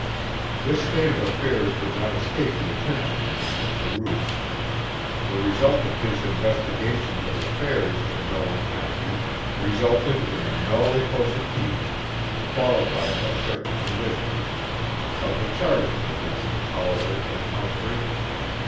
This state of affairs did not escape the attention of Mr. Caruth. The result of his investigations of affairs in Rowan County resulted in a nolle prosequis, qualified by certain conditions, of the charges against the Tollivers and Humphrey.